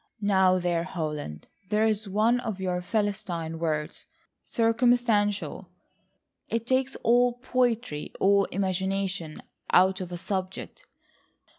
"Now there, Holland, there is one of your philistine words,—circumstantial! It takes all poetry, all imagination out of a subject.